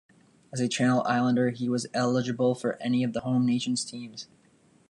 As a Channel Islander, he was eligible for any of the Home Nations teams.